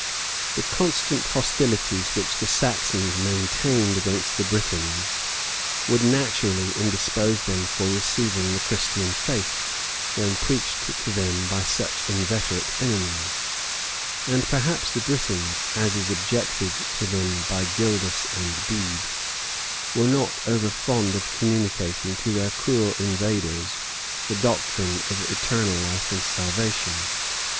The constant hostilities which the Saxons maintained against the Britons, would naturally indispose them for receiving the Christian faith, when preached to them by such inveterate enemies; and perhaps the Britons, as is objected to them by Gildas and Bede, were not over fond of communicating to their cruel invaders the doctrine of eternal life and salvation.